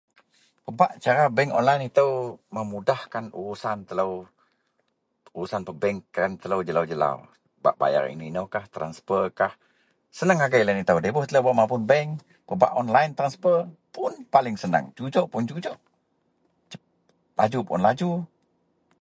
Pebak cara bank online ito memudahkan urusan telo urusan pebank telo jelau-jelau bak bayar ino-inokah ji transferkah senang agei lian ito nda iboh mapun bank pebak online transer paling seneng jujok puon jujok laju puon laju.